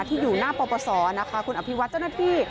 ที่อยู่หน้าปปศนะคะคุณอภิวัตเจ้าหน้าที่